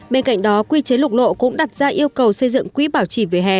bên cạnh đó quy chế lục lộ cũng đặt ra yêu cầu xây dựng quỹ bảo trì về hè